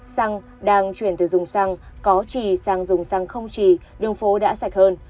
xăng đang chuyển từ dùng xăng có trì sang dùng xăng không trì đường phố đã sạch hơn